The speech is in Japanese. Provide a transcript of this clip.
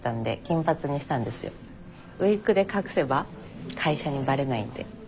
ウイッグで隠せば会社にばれないんで。